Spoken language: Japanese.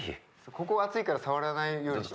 ここは熱いから触らないようにして。